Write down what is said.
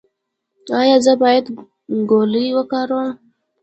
ایا زه باید ګولۍ وکاروم؟